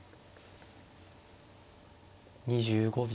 ２５秒。